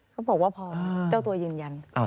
เขาบอกว่าพอเจ้าตัวยืนยัน